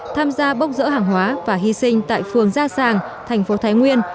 tham gia bốc dỡ hàng hóa và hy sinh tại phường gia sàng thành phố thái nguyên